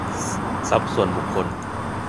ทรัพย์ส่วนบุคคล